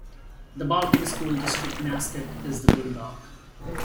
The Baltic School District mascot is the Bulldog.